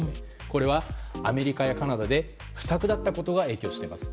これはアメリカやカナダで不作だったことが影響しています。